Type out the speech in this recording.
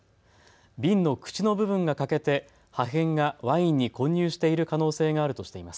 瓶の口の部分が欠けて破片がワインに混入している可能性があるとしています。